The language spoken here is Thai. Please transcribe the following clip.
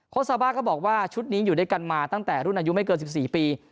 ซาบ้าก็บอกว่าชุดนี้อยู่ด้วยกันมาตั้งแต่รุ่นอายุไม่เกิน๑๔ปี